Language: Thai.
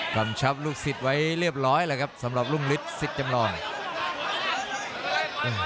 กำชับลูกศิษย์ไว้เรียบร้อยแล้วครับสำหรับรุ่งฤทธิสิทธิ์จำลอง